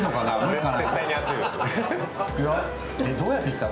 どうやっていったの？